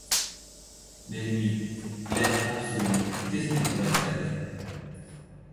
Mais lui, l’être absolu, qu’est-ce qu’il pourrait faire